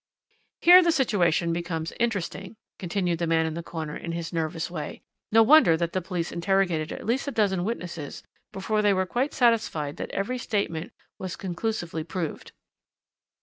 "Here the situation becomes interesting," continued the man in the corner in his nervous way. "No wonder that the police interrogated at least a dozen witnesses before they were quite satisfied that every statement was conclusively proved.